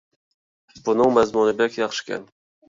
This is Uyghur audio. بۇنىڭ مەزمۇنى بەك ياخشىكەن.